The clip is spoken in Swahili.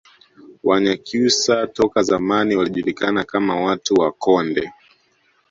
Wanyakyusa toka zamani walijulikana kama watu wa Konde